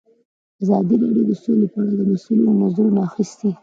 ازادي راډیو د سوله په اړه د مسؤلینو نظرونه اخیستي.